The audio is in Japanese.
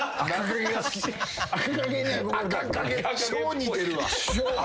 赤影超似てるわ。